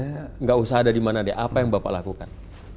tidak usah ada dimana deh apa yang bapak lakukan